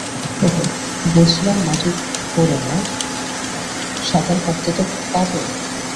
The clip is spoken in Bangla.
ওকে, বুঝলাম মাটি খোড়ো না, সাঁতার কাটতে তো পারো?